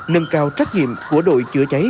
nâng cao trách nhiệm của đội chữa cháy